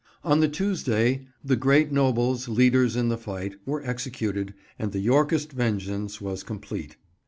On the Tuesday the great nobles, leaders in the fight, were executed, and the Yorkist vengeance was complete.